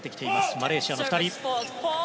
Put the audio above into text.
マレーシアの２人。